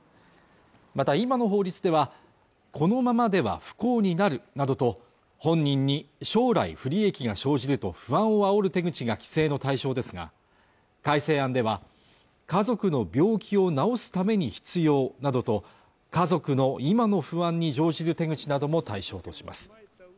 また今の法律ではこのままでは不幸になるなどと本人に将来、不利益が生じると不安をあおる手口が規制の対象ですが改正案では家族の病気を治すために必要などと家族の今の不安に乗じる手口なども対象とします